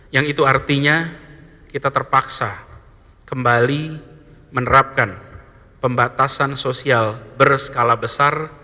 yang itu artinya kita terpaksa kembali menerapkan pembatasan sosial berskala besar